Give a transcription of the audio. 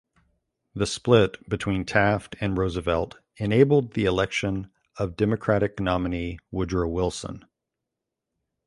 The split between Taft and Roosevelt enabled the election of Democratic nominee Woodrow Wilson.